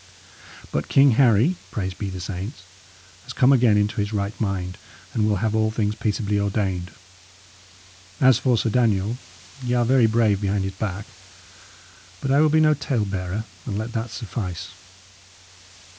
But King Harry praised be the saints! has come again into his right mind, and will have all things peaceably ordained. And as for Sir Daniel, y' are very brave behind his back. But I will be no tale bearer; and let that suffice."